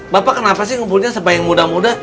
bapak kenapa sih ngumpulnya sebayang muda muda